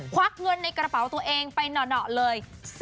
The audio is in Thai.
วักเงินในกระเป๋าตัวเองไปหน่อเลย